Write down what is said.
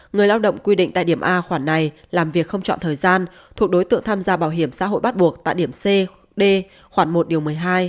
người lao động quy định tại điểm a khoản này làm việc không chọn thời gian thuộc đối tượng tham gia bảo hiểm xã hội bắt buộc tại điểm c d khoản một điều một mươi hai